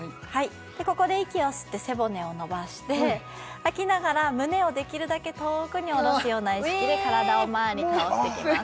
ここで息を吸って背骨を伸ばして吐きながら胸をできるだけ遠くに下ろすような意識で体を前に倒していきます